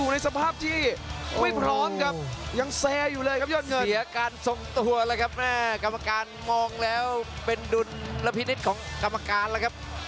ละพิษนิดของกรรมการแล้วครับ